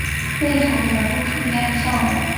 另一头有人露出一样的笑容